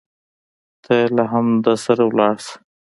ته له هغه سره ولاړه شه.